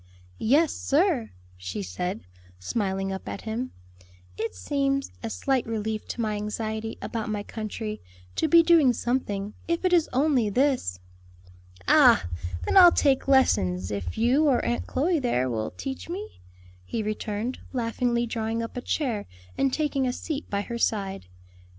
"Yes, sir," she said, smiling up at him, "it seems a slight relief to my anxiety about my country, to be doing something, if it is only this." "Ah! then I'll take lessons, if you, or Aunt Chloe there will teach me," he returned, laughingly drawing up a chair and taking a seat by her side.